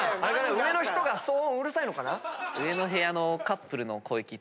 上の人がうるさいのかな？